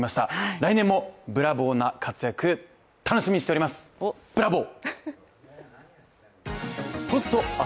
来年もブラボーな活躍、楽しみにしております、ブラボー！